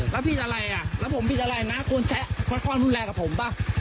แล้วผิดอะไรอ่ะแล้วผมผิดอะไรน้าโกนแชะควัดความรุนแรงกับผมป่ะ